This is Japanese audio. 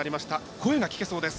声が聞けそうです。